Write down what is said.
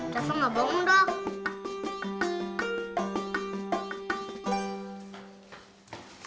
rafa ga bangun dok